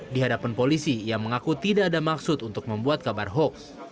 di hadapan polisi ia mengaku tidak ada maksud untuk membuat kabar hoax